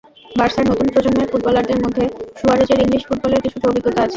বার্সার নতুন প্রজন্মের ফুটবলারদের মধ্যে সুয়ারেজের ইংলিশ ফুটবলের কিছুটা অভিজ্ঞতা আছে।